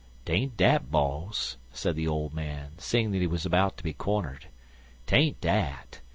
"'Tain't dat, boss:' said the old man, seeing that he was about to be cornered; 'tain't dat.